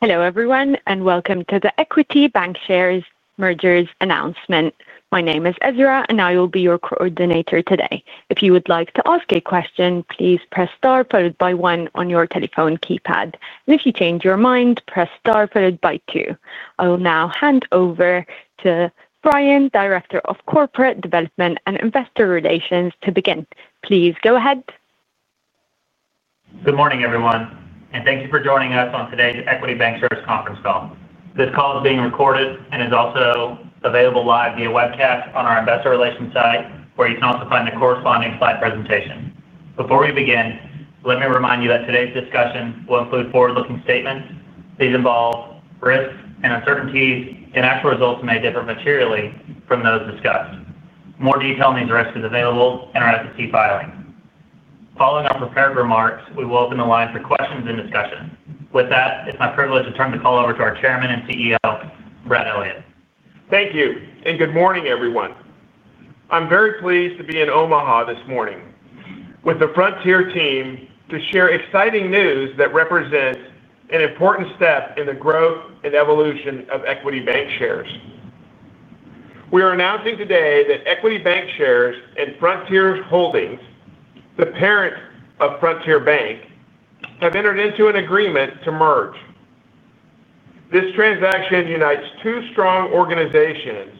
Hello everyone, and welcome to the Equity Bancshares mergers announcement. My name is Ezra, and I will be your coordinator today. If you would like to ask a question, please press star followed by one on your telephone keypad. If you change your mind, press star followed by two. I will now hand over to Brian, Director of Corporate Development and Investor Relations, to begin. Please go ahead. Good morning, everyone, and thank you for joining us on today's Equity Bancshares Conference Call. This call is being recorded and is also available live via webcast on our Investor Relations site, where you can also find the corresponding slide presentation. Before we begin, let me remind you that today's discussion will include forward-looking statements. These involve risks and uncertainties, and actual results may differ materially from those discussed. More detail on these risks is available in our SEC filings. Following our prepared remarks, we will open the line for questions and discussion. With that, it's my privilege to turn the call over to our Chairman and CEO, Brad Elliott. Thank you, and good morning, everyone. I'm very pleased to be in Omaha this morning with the Frontier team to share exciting news that represents an important step in the growth and evolution of Equity Bancshares. We are announcing today that Equity Bancshares and Frontier Holdings, the parent of Frontier Bank, have entered into an agreement to merge. This transaction unites two strong organizations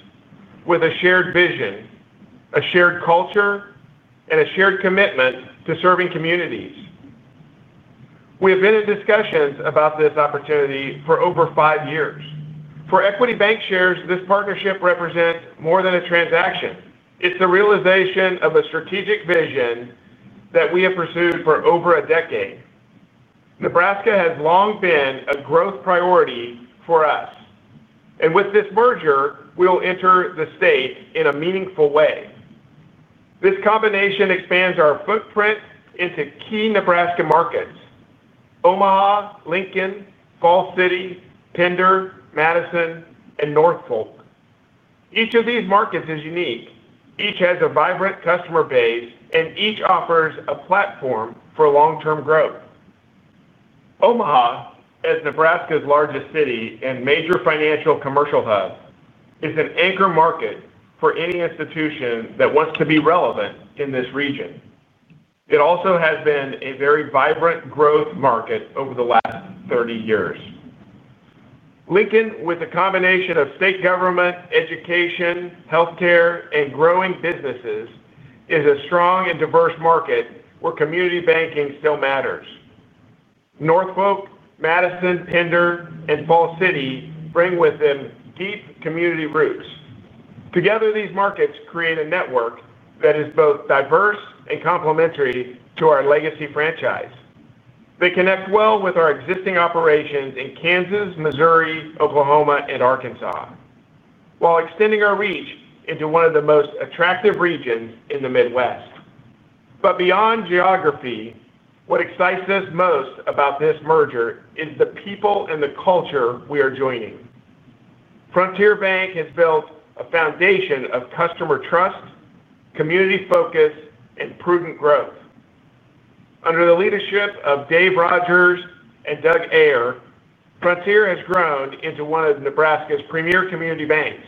with a shared vision, a shared culture, and a shared commitment to serving communities. We have been in discussions about this opportunity for over five years. For Equity Bancshares Inc., this partnership represents more than a transaction. It's the realization of a strategic vision that we have pursued for over a decade. Nebraska has long been a growth priority for us, and with this merger, we will enter the state in a meaningful way. This combination expands our footprint into key Nebraska markets: Omaha, Lincoln, Falls City, Pender, Madison, and Norfolk. Each of these markets is unique. Each has a vibrant customer base, and each offers a platform for long-term growth. Omaha, as Nebraska's largest city and major financial commercial hub, is an anchor market for any institution that wants to be relevant in this region. It also has been a very vibrant growth market over the last 30 years. Lincoln, with a combination of state government, education, healthcare, and growing businesses, is a strong and diverse market where community banking still matters. Norfolk, Madison, Pender, and Falls City bring with them deep community roots. Together, these markets create a network that is both diverse and complementary to our legacy franchise. They connect well with our existing operations in Kansas, Missouri, Oklahoma, and Arkansas, while extending our reach into one of the most attractive regions in the Midwest. But beyond Geography what excites us most about this merger is the people and the culture we are joining. Frontier Bank has built a foundation of customer trust, community focus, and prudent growth. Under the leadership of Dave Rogers and Doug Ayer, Frontier has grown into one of Nebraska's premier community banks,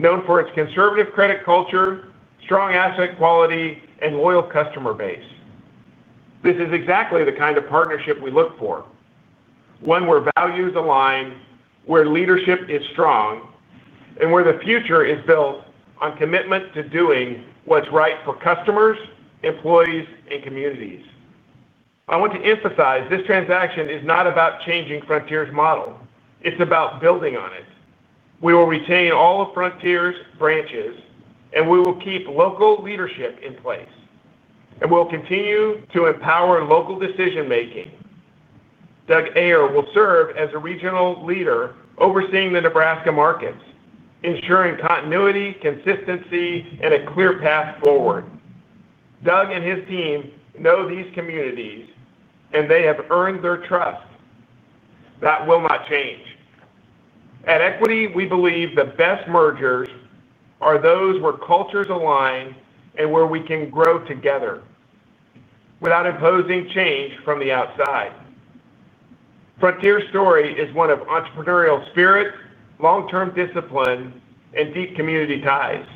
known for its conservative credit culture, strong asset quality, and loyal customer base. This is exactly the kind of partnership we look for: one where values align, where leadership is strong, and where the future is built on commitment to doing what's right for customers, employees, and communities. I want to emphasize this transaction is not about changing Frontier's model. It's about building on it. We will retain all of Frontier's branches, and we will keep local leadership in place, and we'll continue to empower local decision-making. Doug Ayer will serve as a Regional Leader overseeing the Nebraska markets, ensuring continuity, consistency, and a clear path forward. Doug and his team know these communities, and they have earned their trust. That will not change. At Equity, we believe the best mergers are those where cultures align and where we can grow together without imposing change from the outside. Frontier's story is one of entrepreneurial spirit, long-term discipline, and deep community ties.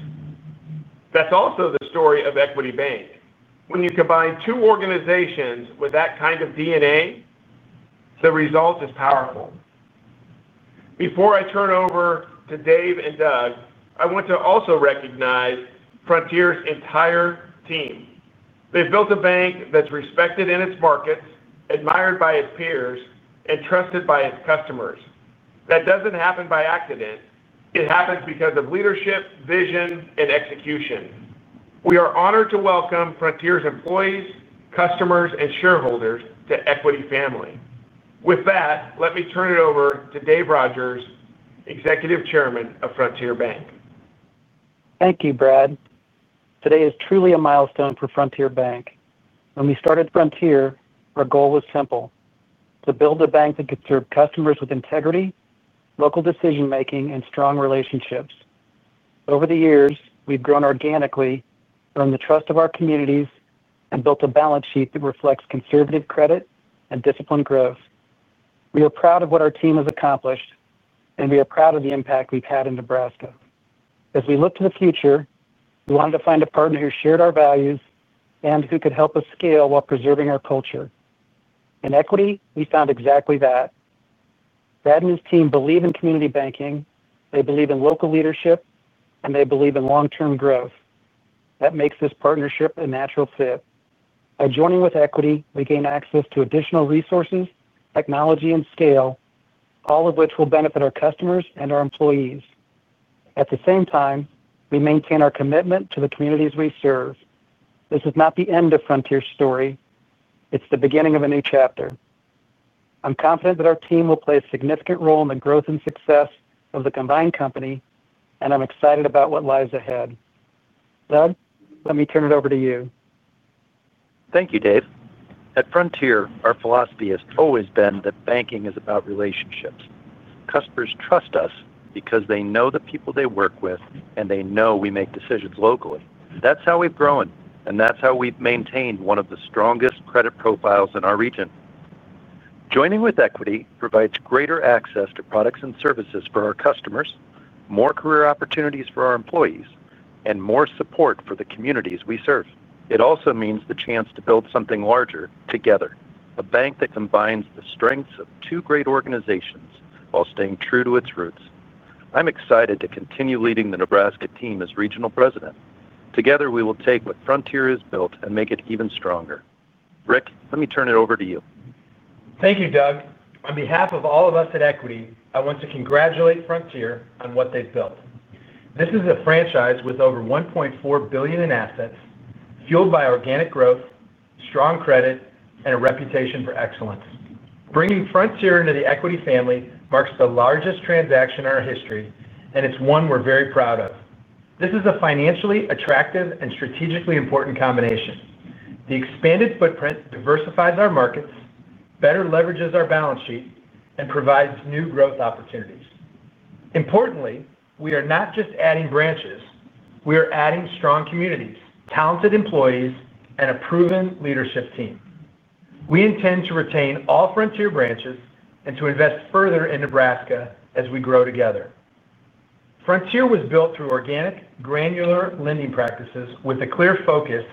That's also the story of Equity Bank. When you combine two organizations with that kind of DNA, the result is powerful. Before I turn over to Dave and Doug, I want to also recognize Frontier's entire team. They've built a bank that's respected in its markets, admired by its peers, and trusted by its customers. That doesn't happen by accident. It happens because of leadership, vision, and execution. We are honored to welcome Frontier's employees, customers, and shareholders to Equity family. With that, let me turn it over to Dave Rogers, Executive Chairman of Frontier Bank. Thank you, Brad. Today is truly a milestone for Frontier Bank. When we started Frontier, our goal was simple: to build a bank that could serve customers with integrity, local decision-making, and strong relationships. Over the years, we've grown organically, earned the trust of our communities, and built a balance sheet that reflects conservative credit and disciplined growth. We are proud of what our team has accomplished, and we are proud of the impact we've had in Nebraska. As we look to the future, we wanted to find a partner who shared our values and who could help us scale while preserving our culture. In Equity, we found exactly that. Brad and his team believe in community banking. They believe in local leadership, and they believe in long-term growth. That makes this partnership a natural fit. By joining with Equity, we gain access to additional resources, technology, and scale, all of which will benefit our customers and our employees. At the same time, we maintain our commitment to the communities we serve. This is not the end of Frontier's story. It's the beginning of a new chapter. I'm confident that our team will play a significant role in the growth and success of the combined company, and I'm excited about what lies ahead. Doug, let me turn it over to you. Thank you, Dave. At Frontier, our philosophy has always been that banking is about relationships. Customers trust us because they know the people they work with, and they know we make decisions locally. That's how we've grown, and that's how we've maintained one of the strongest credit profiles in our region. Joining with Equity provides greater access to products and services for our customers, more career opportunities for our employees, and more support for the communities we serve. It also means the chance to build something larger together: a bank that combines the strengths of two great organizations while staying true to its roots. I'm excited to continue leading the Nebraska team as Regional President. Together, we will take what Frontier has built and make it even stronger. Rick, let me turn it over to you. Thank you, Doug. On behalf of all of us at Equity, I want to congratulate Frontier on what they've built. This is a franchise with over $1.4 billion in assets, fueled by organic growth, strong credit, and a reputation for excellence. Bringing Frontier into the Equity family marks the largest transaction in our history, and it's one we're very proud of. This is a financially attractive and strategically important combination. The expanded footprint diversifies our markets, better leverages our balance sheet, and provides new growth opportunities. Importantly, we are not just adding branches. We are adding strong communities, talented employees, and a proven leadership team. We intend to retain all Frontier branches and to invest further in Nebraska as we grow together. Frontier was built through organic, granular lending practices with a clear focus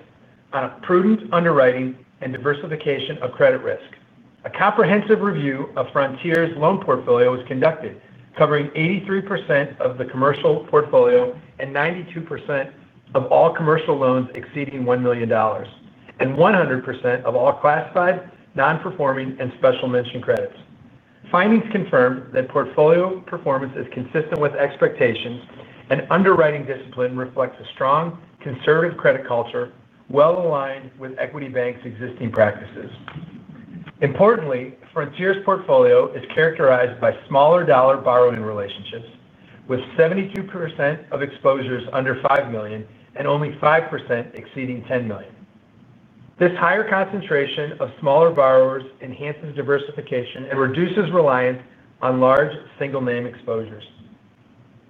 on prudent underwriting and diversification of credit risk. A comprehensive review of Frontier's loan portfolio was conducted, covering 83% of the commercial portfolio and 92% of all commercial loans exceeding $1 million, and 100% of all classified, non-performing, and special mention credits. Findings confirmed that portfolio performance is consistent with expectations, and underwriting discipline reflects a strong, conservative credit culture, well-aligned with Equity Bank's existing practices. Importantly, Frontier's portfolio is factorized by smaller dollar borrowing relationships, with 72% of exposures under $5 million and only 5% exceeding $10 million. This higher concentration of smaller borrowers enhances diversification and reduces reliance on large single-name exposures.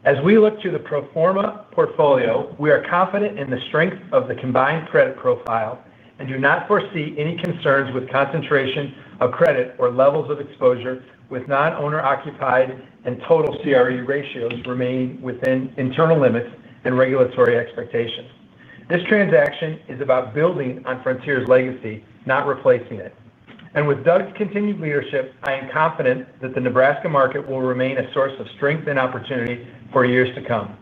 As we look to the pro forma portfolio, we are confident in the strength of the combined credit profile and do not foresee any concerns with concentration of credit or levels of exposure, with non-owner occupied and total CRE ratios remaining within internal limits and regulatory expectations. This transaction is about building on Frontier's legacy, not replacing it. With Doug's continued leadership, I am confident that the Nebraska market will remain a source of strength and opportunity for years to come.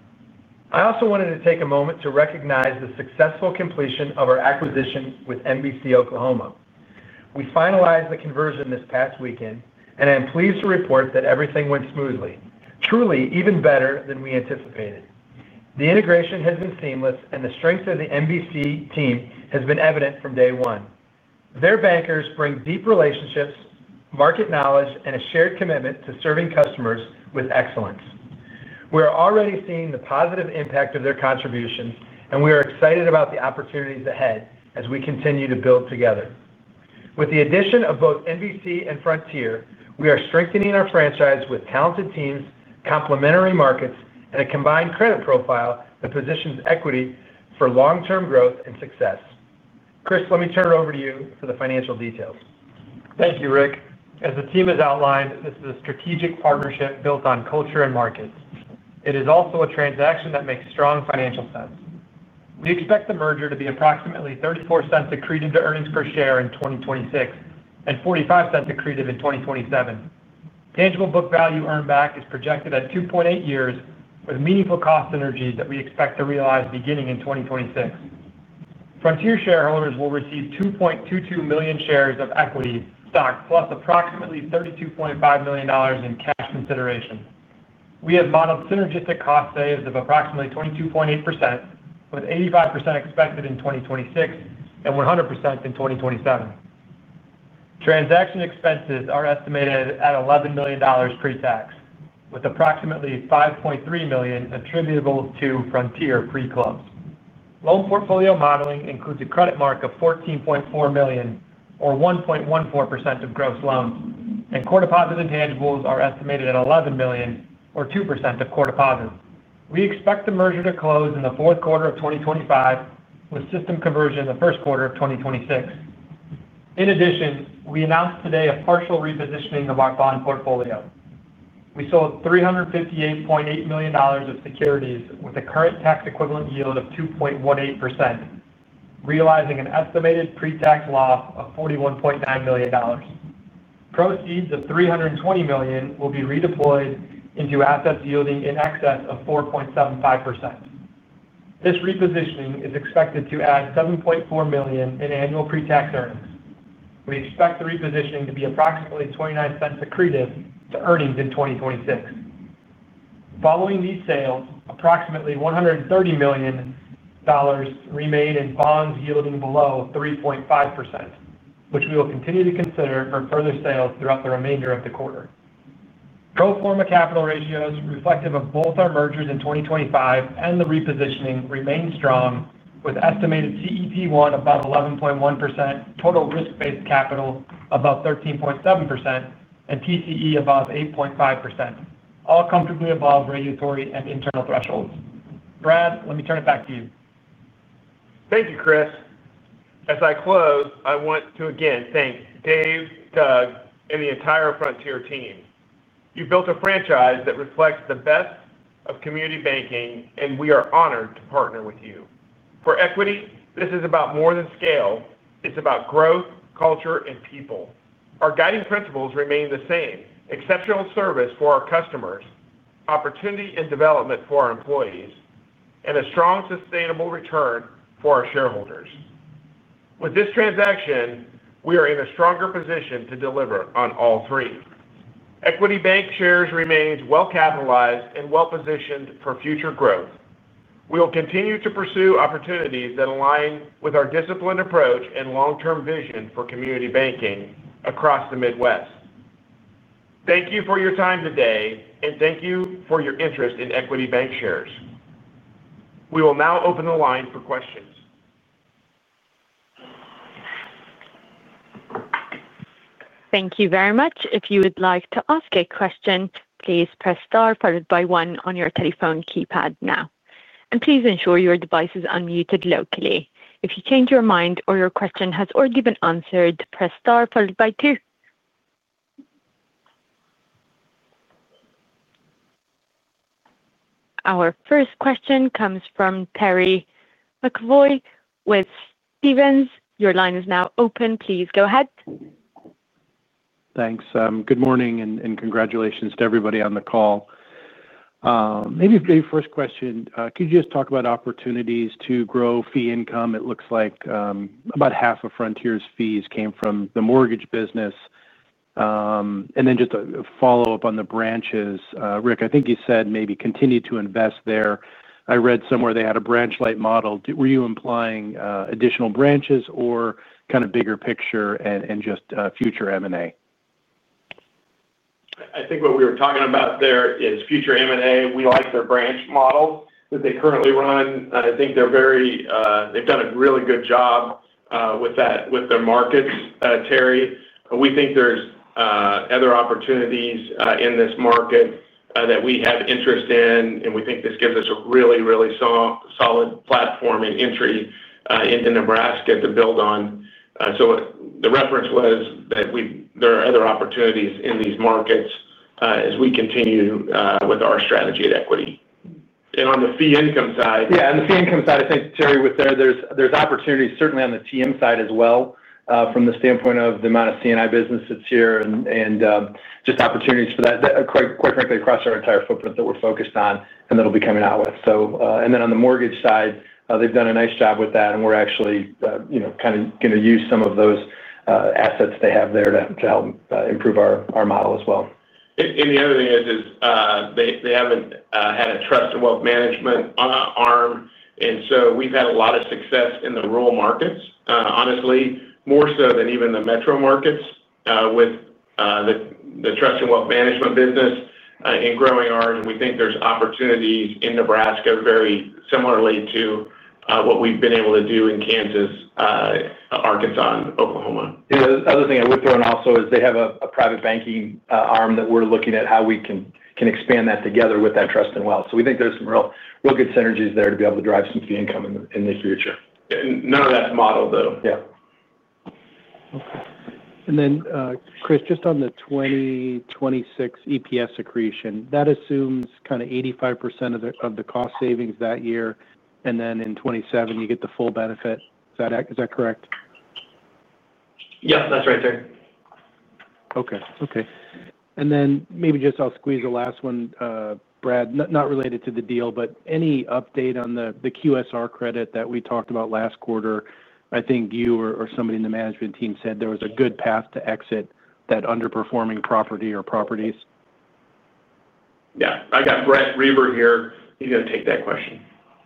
I also wanted to take a moment to recognize the successful completion of our acquisition with NBC Oklahoma. We finalized the conversion this past weekend, and I am pleased to report that everything went smoothly. Truly, even better than we anticipated. The integration has been seamless, and the strength of the NBC team has been evident from day one. Their bankers bring deep relationships, market knowledge, and a shared commitment to serving customers with excellence. We are already seeing the positive impact of their contributions, and we are excited about the opportunities ahead as we continue to build together. With the addition of both NBC and Frontier, we are strengthening our franchise with talented teams, complementary markets, and a combined credit profile that positions Equity for long-term growth and success. Chris, let me turn it over to you for the financial details. Thank you, Rick. As the team has outlined, this is a strategic partnership built on culture and markets. It is also a transaction that makes strong financial sense. We expect the merger to be approximately $0.34 accretive to earnings per share in 2026 and $0.45 accretive in 2027. Tangible book value earn-back is projected at 2.8 years, with meaningful cost synergies that we expect to realize beginning in 2026. Frontier Holdings shareholders will receive 2.22 million shares of Equity stock, plus approximately $32.5 million in cash consideration. We have modeled synergistic cost saves of approximately 22.8%, with 85% expected in 2026 and 100% in 2027. Transaction expenses are estimated at $11 million pre-tax, with approximately $5.3 million attributable to Frontier pre-closing. Loan portfolio modeling includes a credit mark of $14.4 million, or 1.14% of gross loans, and core deposit intangibles are estimated at $11 million, or 2% of core deposits. We expect the merger to close in the fourth quarter of 2025, with system conversion in the first quarter of 2026. In addition, we announced today a partial repositioning of our bond portfolio. We sold $358.8 million of securities with a current tax equivalent yield of 2.18%, realizing an estimated pre-tax loss of $41.9 million. Proceeds of $320 million will be redeployed into assets yielding in excess of 4.75%. This repositioning is expected to add $7.4 million in annual pre-tax earnings. We expect the repositioning to be approximately $0.29 accretive to earnings in 2026. Following these sales, approximately $130 million remain in bonds yielding below 3.5%, which we will continue to consider for further sales throughout the remainder of the quarter. Pro forma capital ratios reflective of both our mergers in 2025 and the repositioning remain strong, with estimated CET1 above 11.1%, total risk-based capital above 13.7%, and TCE above 8.5%, all comfortably above regulatory and internal thresholds. Brad, let me turn it back to you. Thank you, Chris. As I close, I want to again thank Dave, Doug, and the entire Frontier team. You've built a franchise that reflects the best of community banking, and we are honored to partner with you. For Equity, this is about more than scale. It's about growth, culture, and people. Our guiding principles remain the same: exceptional service for our customers, opportunity and development for our employees, and a strong, sustainable return for our shareholders. With this transaction, we are in a stronger position to deliver on all three. Equity Bank shares remain well-capitalized and well-positioned for future growth. We will continue to pursue opportunities that align with our disciplined approach and long-term vision for community banking across the Midwest. Thank you for your time today, and thank you for your interest in Equity Bancshares. We will now open the line for questions. Thank you very much. If you would like to ask a question, please press star followed by one on your telephone keypad now. Please ensure your device is unmuted locally. If you change your mind or your question has already been answered, press star followed by two. Our first question comes from Terry McEvoy with Stephens. Your line is now open. Please go ahead. Thanks. Good morning and congratulations to everybody on the call. Maybe the first question, could you just talk about opportunities to grow fee income? It looks like about half of Frontier's fees came from the mortgage business. Just a follow-up on the branches. Rick, I think you said maybe continue to invest there. I read somewhere they had a branch-like model. Were you implying additional branches or kind of bigger picture and just future M&A? I think what we were talking about there is future M&A. We like their branch model that they currently run. I think they've done a really good job with that, with their markets, Terry. We think there's other opportunities in this market that we have interest in, and we think this gives us a really, really solid platform and entry into Nebraska to build on. The reference was that there are other opportunities in these markets as we continue with our strategy at Equity. On the fee income side. Yeah, on the fee income side, I think Terry was there. There are opportunities certainly on the treasury management side as well from the standpoint of the amount of C&I business that's here and just opportunities for that, quite frankly, across our entire footprint that we're focused on and that'll be coming out with. On the mortgage side, they've done a nice job with that, and we're actually, you know, kind of going to use some of those assets they have there to help improve our model as well. They haven't had a trust and wealth management arm, and we've had a lot of success in the rural markets, honestly, more so than even the metro markets with the trust and wealth management business in growing arms. We think there's opportunities in Nebraska very similarly to what we've been able to do in Kansas, Arkansas, and Oklahoma. The other thing I would say is they have a private banking arm that we're looking at, how we can expand that together with that trust and wealth. We think there's some real good synergies there to be able to drive some fee income in the future. None of that model, though. Okay. Chris, just on the 2026 EPS accretion, that assumes kind of 85% of the cost savings that year, and then in 2027, you get the full benefit. Is that correct? Yeah, that's right, Terry. Okay. Maybe I'll squeeze the last one, Brad, not related to the deal, but any update on the QSR credit that we talked about last quarter? I think you or somebody in the management team said there was a good path to exit that underperforming property or properties. Yeah, I got Bret Rebber here. He's going to take that question.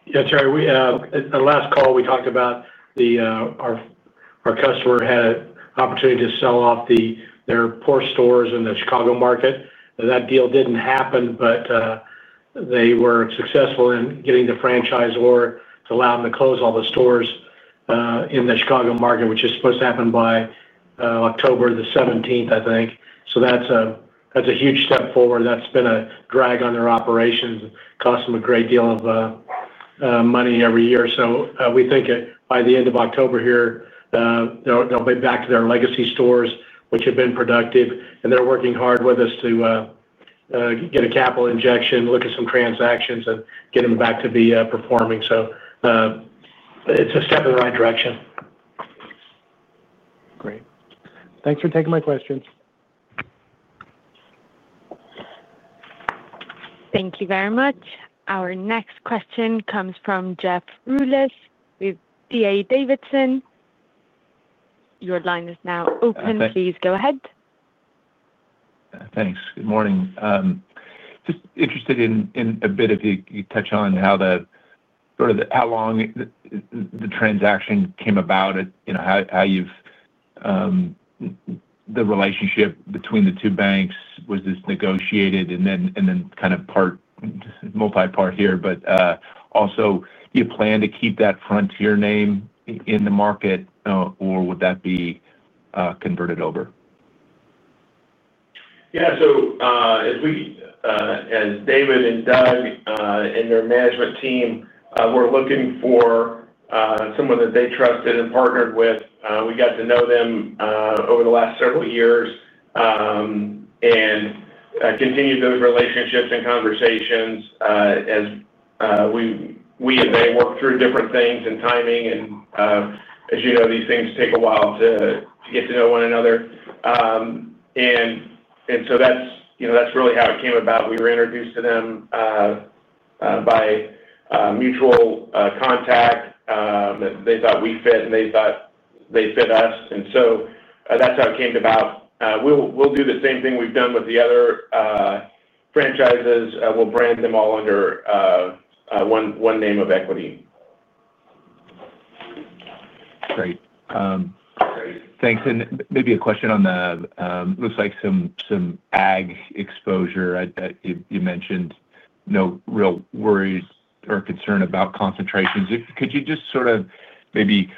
Yeah, Terry, on the last call, we talked about our customer had an opportunity to sell off their Porsche stores in the Chicago market. That deal didn't happen, but they were successful in getting the franchisor to allow them to close all the stores in the Chicago market, which is supposed to happen by October 17th, I think. That's a huge step forward. That's been a drag on their operations, cost them a great deal of money every year. We think by the end of October here, they'll be back to their legacy stores, which have been productive, and they're working hard with us to get a capital injection, look at some transactions, and get them back to be performing. It's a step in the right direction. Great. Thanks for taking my questions. Thank you very much. Our next question comes from Jeff Rulis with D.A. Davidson. Your line is now open. Please go ahead. Thanks. Good morning. Just interested in a bit of you touch on how the sort of how long the transaction came about, how the relationship between the two banks was negotiated, and then kind of part multi-part here, but also you plan to keep that Frontier name in the market, or would that be converted over? Yeah, as we and David and Doug and their management team were looking for someone that they trusted and partnered with, we got to know them over the last several years and continued those relationships and conversations. We and they worked through different things and timing, and as you know, these things take a while to get to know one another. That's really how it came about. We were introduced to them by mutual contact. They thought we fit, and they thought they fit us. That's how it came about. We'll do the same thing we've done with the other franchises. We'll brand them all under one name of Equity. Great. Thanks. Maybe a question on the looks like some ag exposure that you mentioned. No real worries or concern about concentrations. Could you just sort of maybe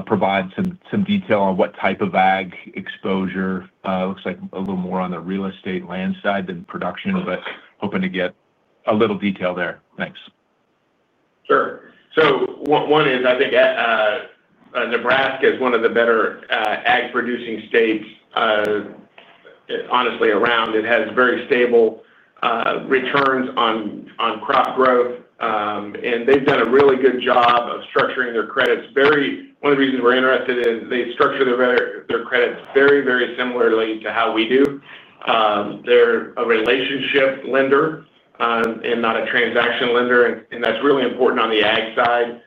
provide some detail on what type of ag exposure? It looks like a little more on the real estate land side than production, but hoping to get a little detail there. Thanks. Sure. One is, I think Nebraska is one of the better ag-producing states, honestly, around. It has very stable returns on crop growth. They've done a really good job of structuring their credits. One of the reasons we're interested in, they structure their credits very, very similarly to how we do. They're a relationship lender and not a transaction lender. That's really important on the ag side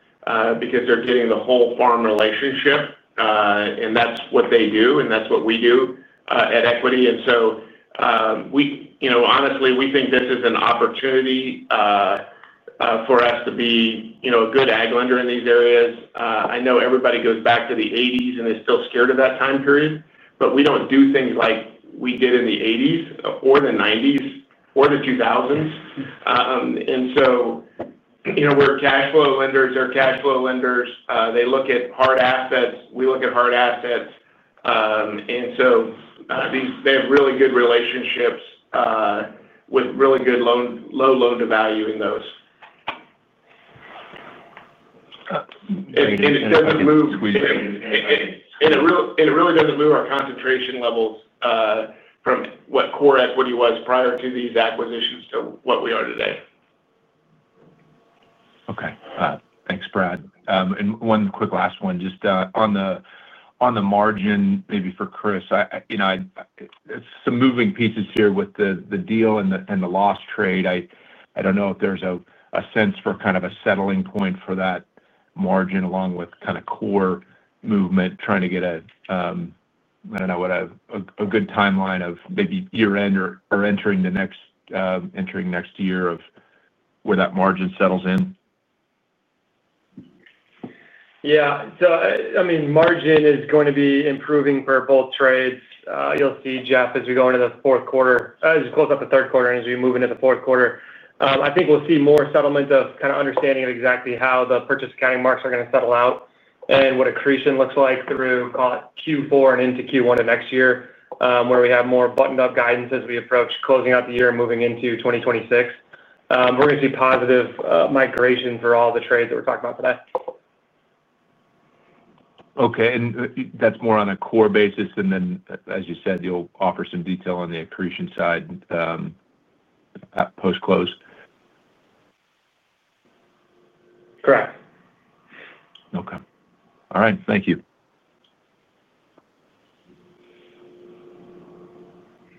because they're getting the whole farm relationship. That's what they do, and that's what we do at Equity. Honestly, we think this is an opportunity for us to be a good ag lender in these areas. I know everybody goes back to the 1980s and is still scared of that time period, but we don't do things like we did in the 1980s or the 1990s or the 2000s. We're cash flow lenders. They're cash flow lenders. They look at hard assets. We look at hard assets. They have really good relationships with really good low loan-to-value in those. It really doesn't move our concentration levels from what core Equity was prior to these acquisitions to what we are today. Okay. Thanks, Brad. One quick last one, just on the margin, maybe for Chris, you know, it's some moving pieces here with the deal and the loss trade. I don't know if there's a sense for kind of a settling point for that margin along with kind of core movement, trying to get a, I don't know, what a good timeline of maybe year-end or entering the next year of where that margin settles in. Yeah. I mean, margin is going to be improving for both trades. You'll see, Jeff, as we go into the fourth quarter, as we close up the third quarter and as we move into the fourth quarter, I think we'll see more settlement of kind of understanding of exactly how the purchase accounting marks are going to settle out and what accretion looks like through, call it, Q4 and into Q1 of next year, where we have more buttoned-up guidance as we approach closing out the year and moving into 2026. We're going to see positive migration through all the trades that we're talking about today. Okay. That's more on a core basis, and as you said, you'll offer some detail on the accretion side post-close. Correct. Okay. All right. Thank you.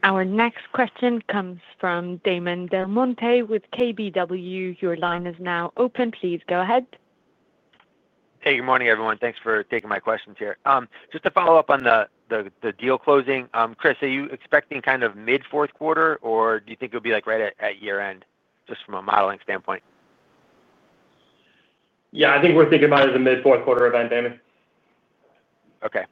Our next question comes from Damon DeMonte with KBW. Your line is now open. Please go ahead. Hey, good morning, everyone. Thanks for taking my questions here. Just to follow up on the deal closing, Chris, are you expecting kind of mid-fourth quarter, or do you think it'll be like right at year-end, just from a modeling standpoint? Yeah, I think we're thinking about it as a mid-fourth quarter event, Damon. Okay.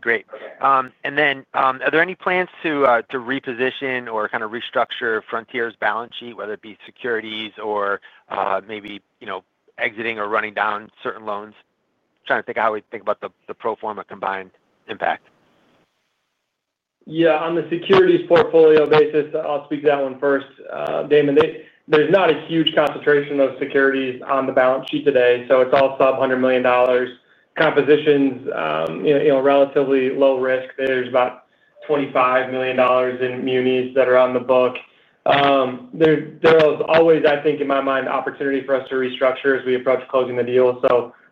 Great. Are there any plans to reposition or kind of restructure Frontier's balance sheet, whether it be securities or maybe, you know, exiting or running down certain loans? Trying to think how we think about the pro forma combined impact. Yeah, on the securities portfolio basis, I'll speak to that one first. Damon, there's not a huge concentration of securities on the balance sheet today. It's all sub-$100 million. Compositions, you know, relatively low risk. There's about $25 million in Munis that are on the book. There's always, I think, in my mind, opportunity for us to restructure as we approach closing the deal.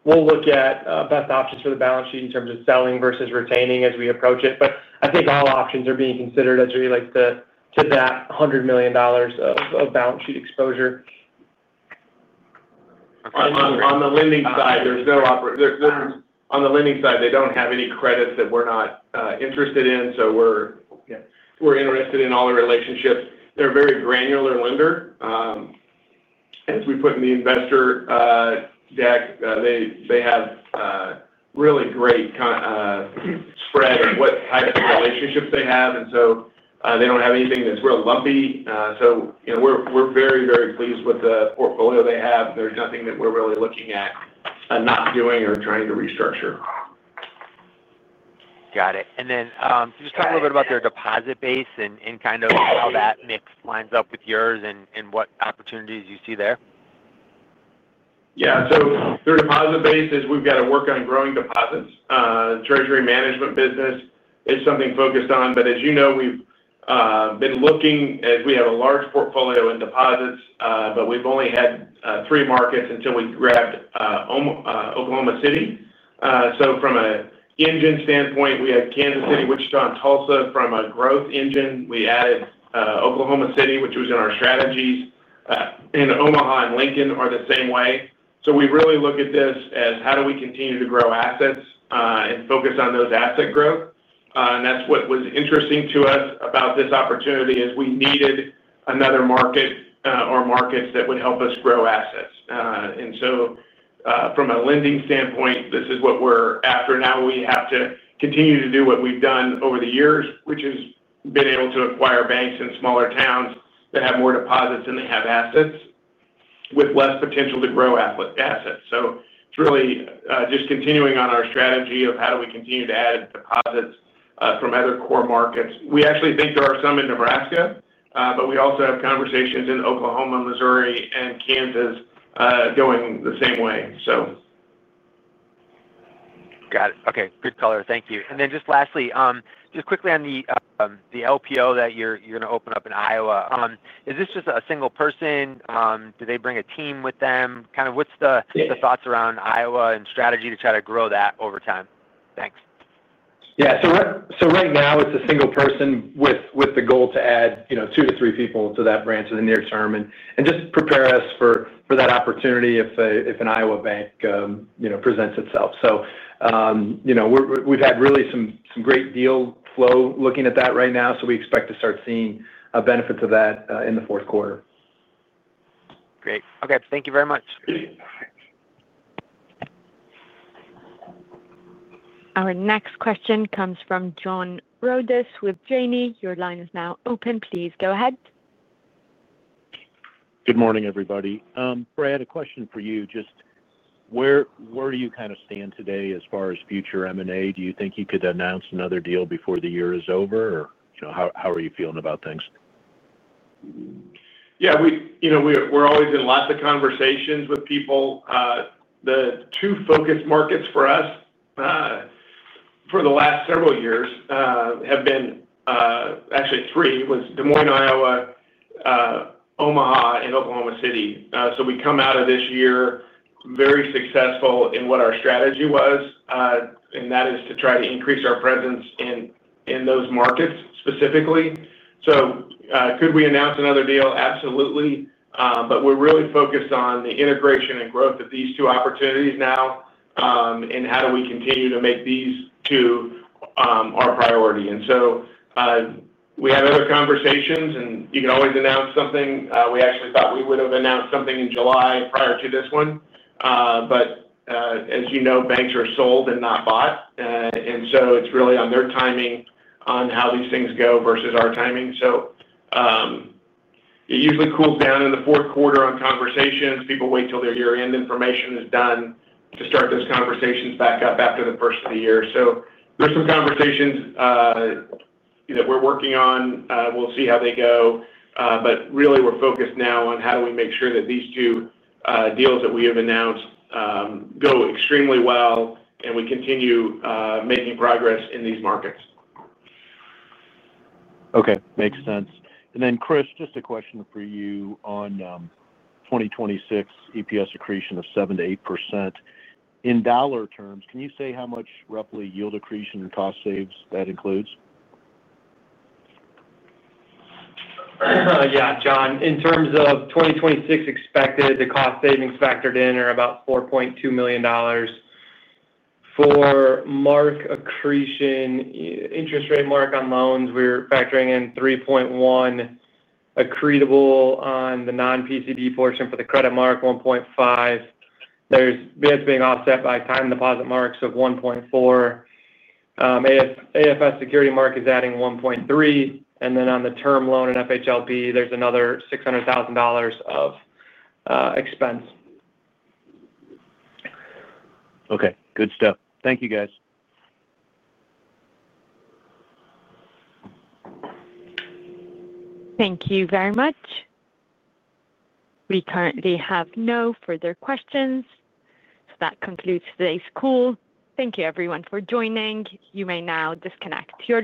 We'll look at best options for the balance sheet in terms of selling versus retaining as we approach it. I think all options are being considered as we relate to that $100 million of balance sheet exposure. On the lending side, they don't have any credits that we're not interested in. We're interested in all the relationships. They're a very granular lender. As we put in the investor deck, they have a really great spread of what relationships they have, and they don't have anything that's real lumpy. We're very, very pleased with the portfolio they have. There's nothing that we're really looking at and not doing or trying to restructure. Could you just talk a little bit about their deposit base and kind of how that mix lines up with yours and what opportunities you see there? Yeah. Their deposit base is we've got to work on growing deposits. Treasury management business is something focused on. As you know, we've been looking as we have a large portfolio in deposits, but we've only had three markets until we grabbed Oklahoma City. From an engine standpoint, we had Kansas City, Wichita, and Tulsa. From a growth engine, we added Oklahoma City, which was in our strategies. Omaha and Lincoln are the same way. We really look at this as how do we continue to grow assets and focus on those asset growth. That's what was interesting to us about this opportunity is we needed another market or markets that would help us grow assets. From a lending standpoint, this is what we're after now. We have to continue to do what we've done over the years, which is been able to acquire banks in smaller towns that have more deposits than they have assets with less potential to grow assets. Really just continuing on our strategy of how do we continue to add deposits from other core markets. We actually think there are some in Nebraska, but we also have conversations in Oklahoma, Missouri, and Kansas going the same way. Got it. Okay. Good color. Thank you. Lastly, just quickly on the LPO that you're going to open up in Iowa. Is this just a single person? Do they bring a team with them? What's the thoughts around Iowa and strategy to try to grow that over time? Thanks. Yeah. Right now, it's a single person with the goal to add two to three people to that branch in the near term and just prepare us for that opportunity if an Iowa bank presents itself. We've had really some great deal flow looking at that right now. We expect to start seeing a benefit to that in the fourth quarter. Great. Okay, thank you very much. Our next question comes from John Rodis with Janney. Your line is now open. Please go ahead. Good morning, everybody. Brad, a question for you. Just where do you kind of stand today as far as future M&A? Do you think you could announce another deal before the year is over, or how are you feeling about things? Yeah, we're always in lots of conversations with people. The two focus markets for us for the last several years have been, actually three, it was Des Moines, Iowa, Omaha, and Oklahoma City. We come out of this year very successful in what our strategy was, and that is to try to increase our presence in those markets specifically. Could we announce another deal? Absolutely. We're really focused on the integration and growth of these two opportunities now and how do we continue to make these two our priority. We have other conversations, and you can always announce something. We actually thought we would have announced something in July prior to this one. As you know, banks are sold and not bought. It's really on their timing on how these things go versus our timing. You usually cool down in the fourth quarter on conversations. People wait till their year-end information is done to start those conversations back up after the first of the year. There are some conversations that we're working on. We'll see how they go. We're focused now on how do we make sure that these two deals that we have announced go extremely well and we continue making progress in these markets. Okay. Makes sense. Chris, just a question for you on 2026 EPS accretion of 7% to 8%. In dollar terms, can you say how much roughly yield accretion and cost saves that includes? Yeah, John. In terms of 2026 expected, the cost savings factored in are about $4.2 million. For mark accretion, interest rate mark on loans, we're factoring in $3.1 million. Accretable on the non-PCD portion for the credit mark $1.5 million. There's bids being offset by time deposit marks of $1.4 million. AFS security mark is adding $1.3 million. On the term loan and FHLB, there's another $600,000 of expense. Okay, good stuff. Thank you, guys. Thank you very much. We currently have no further questions. That concludes today's call. Thank you, everyone, for joining. You may now disconnect.